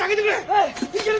はい！